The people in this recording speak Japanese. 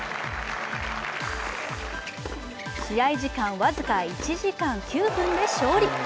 試合時間僅か１時間９分で勝利。